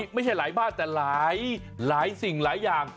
ไม่ใช่หลายบ้านแต่หลายสิ่งหลายอย่าง